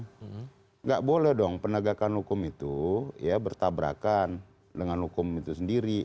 tidak boleh dong penegakan hukum itu ya bertabrakan dengan hukum itu sendiri